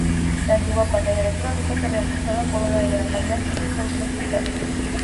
La antigua pantalla electrónica fue reemplazada por una de gran calidad y resolución digital.